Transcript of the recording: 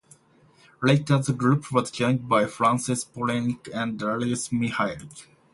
Later, the group was joined by Francis Poulenc and Darius Milhaud.